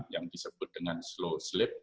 yang disebut dengan slow slip